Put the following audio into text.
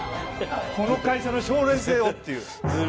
この会社の将来性をっていう。